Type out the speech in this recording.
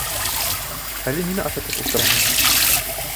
Әле нимә ашатып ултыраһың?